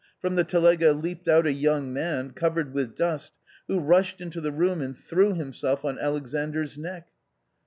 From the telega leaped out a young man, covered with dust, who rushed into the room and threw himself on Alexandr's neck.